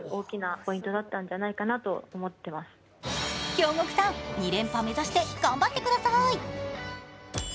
京極さん２連覇目指して頑張ってください。